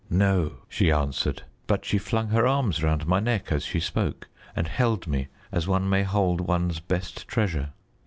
"No," she answered, but she flung her arms round my neck as she spoke, and held me as one may hold one's best treasure.